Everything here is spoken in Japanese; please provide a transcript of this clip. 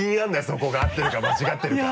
そこが合ってるか間違ってるか。